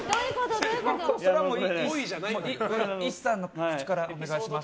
ＩＳＳＡの口からお願いします。